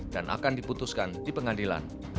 dan akan diputuskan di pengadilan